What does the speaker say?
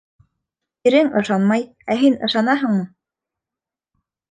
— Ирең ышанмай, ә һин ышанаһыңмы?